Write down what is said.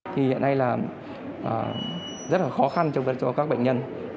thì hiện nay là rất là khó khăn cho các bệnh nhân